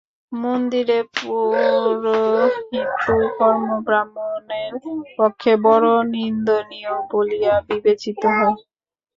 মন্দিরে পৌরোহিত্য-কর্ম ব্রাহ্মণের পক্ষে বড় নিন্দনীয় বলিয়া বিবেচিত হয়।